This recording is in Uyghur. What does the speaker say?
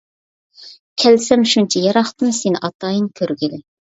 كەلسەم شۇنچە يىراقتىن، سېنى ئاتايىن كۆرگىلى.